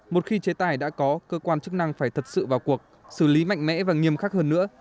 một khi chế tài đã có cơ quan chức năng phải thật sự vào cuộc xử lý mạnh mẽ và nghiêm khắc hơn nữa